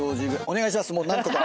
もう何とか。